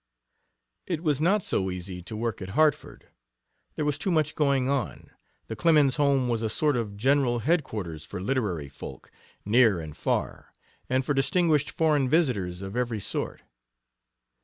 It was not so easy to work at Hartford; there was too much going on. The Clemens home was a sort of general headquarters for literary folk, near and far, and for distinguished foreign visitors of every sort.